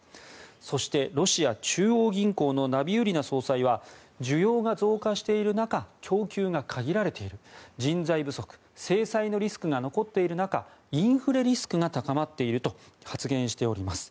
そして、ロシア中央銀行のナビウリナ総裁は需要が増加している中供給が限られている人材不足、制裁のリスクが残っている中インフレリスクが高まっていると発言しております。